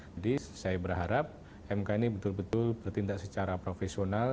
jadi saya berharap mk ini betul betul bertindak secara profesional